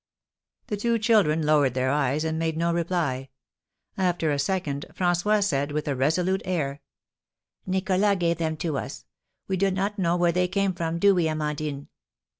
The two children lowered their eyes, and made no reply. After a second, François said, with a resolute air, "Nicholas gave them to us. We do not know where they came from, do we, Amandine?"